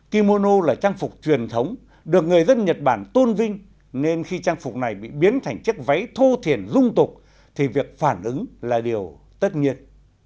kimono là trang phục truyền thống được người dân nhật bản tôn vinh nên khi trang phục này bị biến thành chiếc váy thô thiền dung tục thì việc phản ứng là điều tất nhiệt